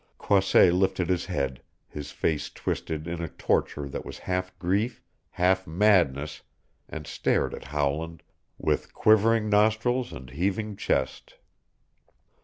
Croisset lifted his head, his face twisted in a torture that was half grief, half madness, and stared at Howland, with quivering nostrils and heaving chest.